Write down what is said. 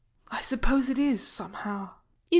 _] I suppose it is, somehow MARY.